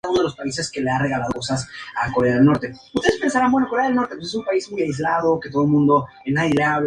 Tanto esta como el guardamanos pueden estar hechas en madera o polímero.